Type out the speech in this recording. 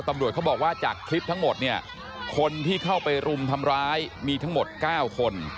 ตำรวจเขาบอกว่าจากคลิปทั้งหมดเนี่ยคนที่เข้าไปรุมทำร้ายมีทั้งหมด๙คน